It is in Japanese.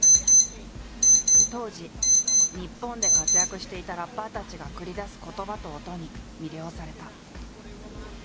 当時日本で活躍していたラッパーたちが繰り出す言葉と音に魅了された。